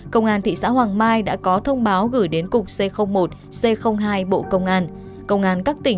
công an thị xã hoàng mai đã có thông báo gửi đến cục xây khóa